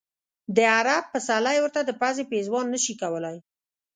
د عرب پسرلی ورته د پزې پېزوان نه شي کولای.